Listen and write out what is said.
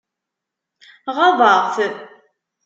Ɣaḍeɣ-t?